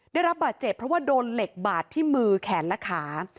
ได้รับบาดเจ็บเพราะว่าโดนเหล็กบาดที่มือแขนและขา